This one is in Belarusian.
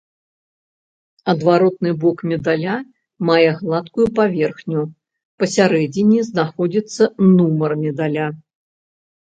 Адваротны бок медаля мае гладкую паверхню, пасярэдзіне знаходзіцца нумар медаля.